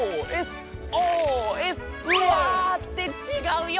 うわ！ってちがうよ！